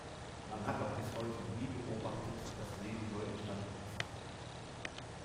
Man hat auch bis heute nie beobachtet, dass Leben neu entstanden ist.